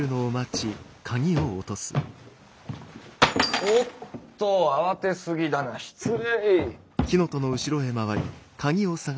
おおっと慌てすぎだな失礼。